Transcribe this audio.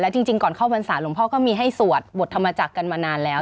จริงก่อนเข้าพรรษาหลวงพ่อก็มีให้สวดบทธรรมจักรกันมานานแล้ว